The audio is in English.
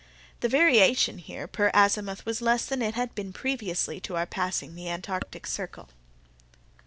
The variation here, per azimuth, was less than it had been previously to our passing the Antarctic circle.